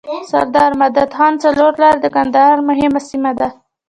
سردار مدد خان څلور لاری د کندهار مهمه سیمه ده.